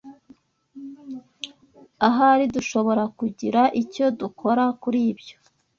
Ahari dushobora kugira icyo dukora kuri ibyo